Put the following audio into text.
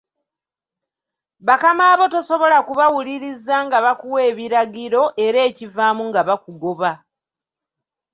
Bakamaabo tosobola kubawuliririza nga bakuwa ebiragiro era ekivaamu nga bakugoba.